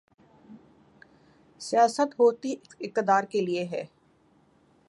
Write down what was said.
سیاست ہوتی ہی اقتدار کے لیے ہے۔